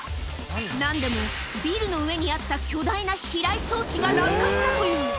なんでも、ビルの上にあった巨大な避雷装置が落下したという。